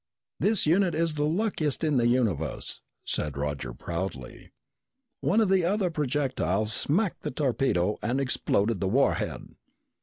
"This unit is the luckiest in the universe," said Roger proudly. "One of the other projectiles smacked the torpedo and exploded the warhead.